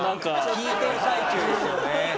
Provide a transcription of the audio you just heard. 聞いてる最中ですよね。